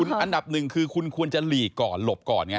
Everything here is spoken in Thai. อันดับหนึ่งคือคุณควรจะหลีกก่อนหลบก่อนไง